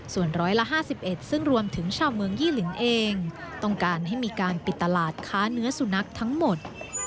ส่วนร้อยละ๕๑ซึ่งรวมถึงชาวเมืองยี่หลินเองต้องการให้มีการปิดตลาดค้าเนื้อสุนัขทั้งหมด